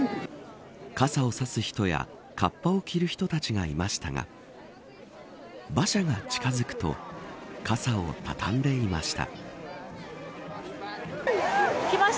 傘を差す人やかっぱを着る人たちがいましたが馬車が近づくと傘を畳んでいました。